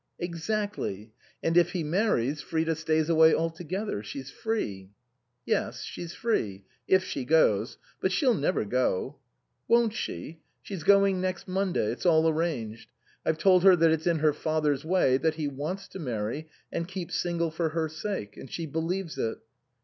" Exactly. And if he marries, Frida stays away altogether. She's free." " Yes ; she's free. If she goes ; but she'll never go." " Won't she ? She's going next Monday. It's all arranged. I've told her that she's in her father's way, that he wants to marry, and keeps single for her sake. And she believes it."